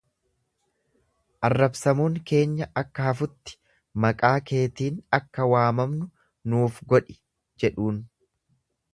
Arrabsamuun keenya akka hafutti maqaa keetiin akka waamamnu nuuf godhi jedhuun.